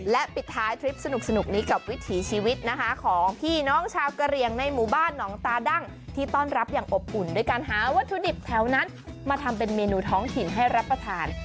และปิดท้ายทริปสนุกนี้กับวิถีชีวิตนะคะของพี่น้องชาวกะเรียงในหมู่บ้านหนองตาดั้งที่ต้อนรับอย่างอบอุ่นด้วยการหาวัตถุดิบแถวนั้นมาทำเป็นเมนูท้องถิ่นให้รับประทาน